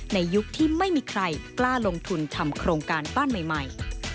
ยุคที่ไม่มีใครกล้าลงทุนทำโครงการบ้านใหม่